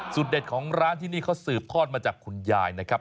เด็ดของร้านที่นี่เขาสืบทอดมาจากคุณยายนะครับ